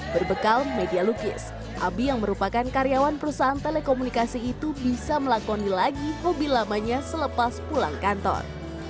berbekal media lukis abi yang merupakan karyawan perusahaan telekomunikasi itu bisa melakoni lagi hobi lamanya selepas pulang kantor